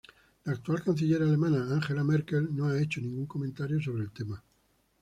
La actual canciller alemana, Angela Merkel no ha hecho ningún comentario sobre el tema.